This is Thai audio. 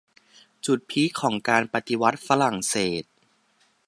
จุดพีคของการปฏิวัติฝรั่งเศส